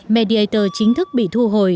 mediator chính thức bị thu hồi